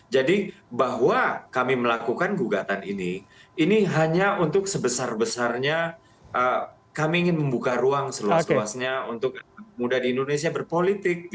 jadi bahwa kami melakukan gugatan ini ini hanya untuk sebesar besarnya kami ingin membuka ruang seluas luasnya untuk muda di indonesia berpolitik